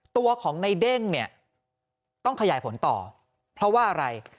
ตัวของในเด้งเนี่ยต้องขยายผลต่อเพราะว่าอะไร